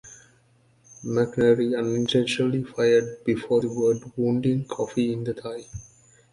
McNairy unintentionally fired before the "word", wounding Coffee in the thigh.